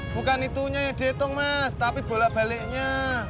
bukan itunya yang dihitung mas tapi bolak baliknya